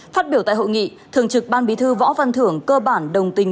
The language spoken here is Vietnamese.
phát biểu tại hội nghị thường trực ban bí thư võ văn thưởng cơ bản đồng tình